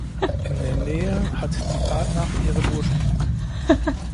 In der Nähe hat die Partnach ihren Ursprung.